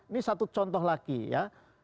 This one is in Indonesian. ini satu contoh lagi ya